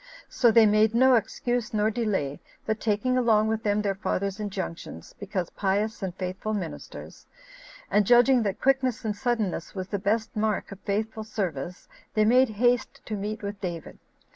So they made no excuse nor delay, but taking along with them their fathers' injunctions, because pious and faithful ministers, and judging that quickness and suddenness was the best mark of faithful service, they made haste to meet with David.